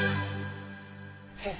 先生